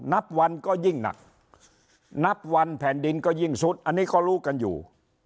นับวันก็ยิ่งหนักนับวันแผ่นดินก็ยิ่งซุดอันนี้ก็รู้กันอยู่